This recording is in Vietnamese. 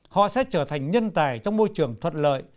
họ sẽ trở thành nhân tài trong môi trường thuận lợi